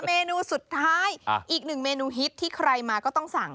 เมนูสุดท้ายอีกหนึ่งเมนูฮิตที่ใครมาก็ต้องสั่ง